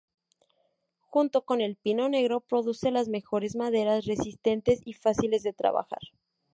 Junto con el pino negro produce las mejores maderas, resistentes y fáciles de trabajar.